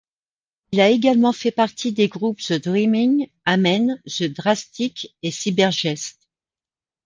Il a également fait partie des groupes The Dreaming, Amen, The Drastics et Cybergest.